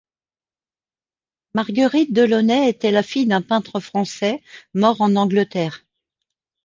Marguerite de Launay était la fille d'un peintre français mort en Angleterre.